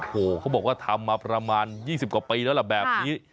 โอ้โหเขาบอกว่าทำมาประมาณ๒๐กว่าปีแล้วล่ะแบบนี้